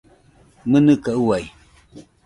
¡Mɨnɨka uai!